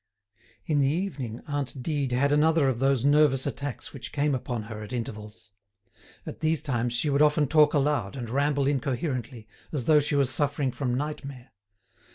In the evening, aunt Dide had another of those nervous attacks which came upon her at intervals. At these times she would often talk aloud and ramble incoherently, as though she was suffering from nightmare.